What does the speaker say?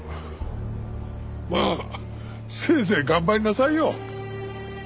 まあせいぜい頑張りなさいよ。